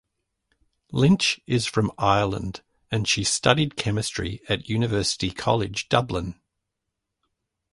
Lynch is from Ireland and she studied chemistry at University College Dublin.